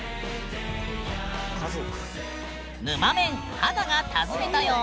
ぬまメン華が訪ねたよ！